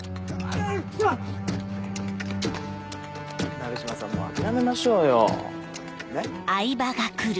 鍋島さんもう諦めましょうよねっ。